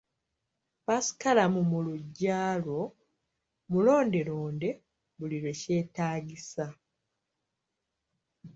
Ppaasikalamu mu luggya lwo, mulonde londe buli lwekyetaagisa.